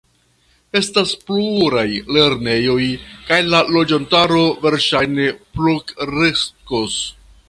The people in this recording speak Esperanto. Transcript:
Estas pluraj lernejoj kaj la loĝantaro verŝajne plukreskos.